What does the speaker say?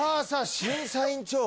審査委員長